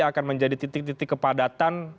akan menjadi titik titik kepadatan